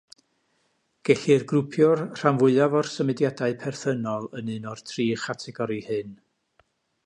Gellir grwpio'r rhan fwyaf o'r symudiadau perthynol yn un o'r tri chategori hyn.